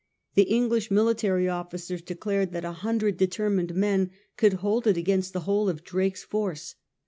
The English military officers declared that a hundred determined men could hold it against the whole of Drake's force.